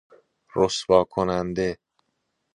رسواکننده